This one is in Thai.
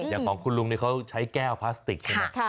อย่างของคุณลุงนี่เขาใช้แก้วพลาสติกใช่ไหม